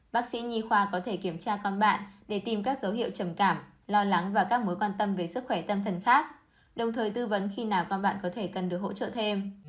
bác sĩ nhi khoa có thể kiểm tra con bạn để tìm các dấu hiệu trầm cảm lo lắng và các mối quan tâm về sức khỏe tâm thần khác đồng thời tư vấn khi nào con bạn có thể cần được hỗ trợ thêm